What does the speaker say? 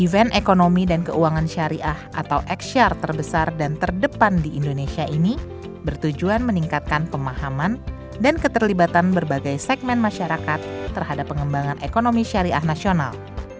event ekonomi dan keuangan syariah atau eksyar terbesar dan terdepan di indonesia ini bertujuan meningkatkan pemahaman dan keterlibatan berbagai segmen masyarakat terhadap pengembangan ekonomi syariah nasional